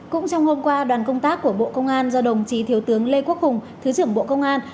cũng trong hôm qua đoàn công tác của bộ công an do đồng chí thiếu tướng lê quốc hùng thứ trưởng bộ công an